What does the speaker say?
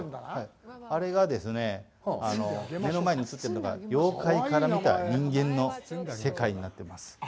あれが目の前に映ってるのが妖怪から見た、人間の世界になってます。